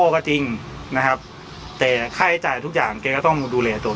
ก็จริงนะครับแต่ค่าใช้จ่ายทุกอย่างแกก็ต้องดูแลตัวเอง